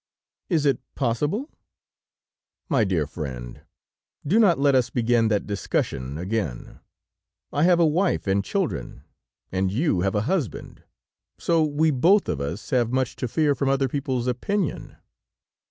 "Is it possible?" "My dear friend, do not let us begin that discussion again. I have a wife and children and you have a husband, so we both of us have much to fear from other people's opinion."